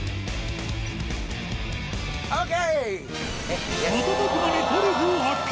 ＯＫ！